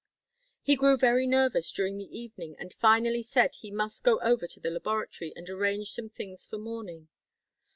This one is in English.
He grew very nervous during the evening and finally said he must go over to the laboratory and arrange some things for morning.